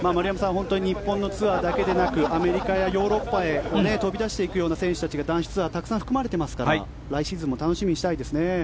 本当に日本のツアーだけでなくアメリカやヨーロッパへ飛び出していくような選手たちが男子ツアーたくさん含まれていますから来シーズンも楽しみにしたいですね。